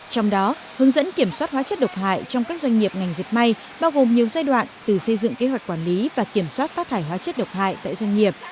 trong đó hướng dẫn kiểm soát hóa chất độc hại trong các doanh nghiệp ngành dẹp may bao gồm nhiều giai đoạn từ xây dựng kế hoạch quản lý và kiểm soát phát thải hóa chất độc hại tại doanh nghiệp